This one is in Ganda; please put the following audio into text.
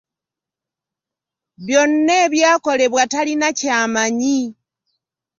Byonna ebyakolebwa talina ky'amanyi.